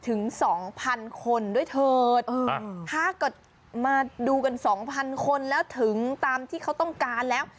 ถึงสองพันคนด้วยเถิดถ้าเกิดมาดูกันสองพันคนแล้วถึงตามที่เขาต้องการแล้ว